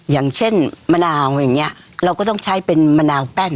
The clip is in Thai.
อย่างเช่นมะนาวอย่างนี้เราก็ต้องใช้เป็นมะนาวแป้ง